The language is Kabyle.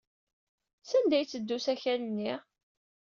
Sanda ay yetteddu usakal-nni?